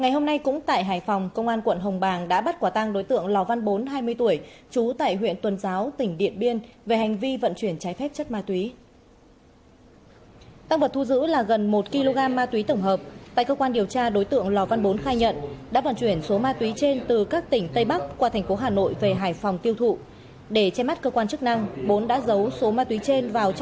hãy đăng ký kênh để ủng hộ kênh của chúng mình nhé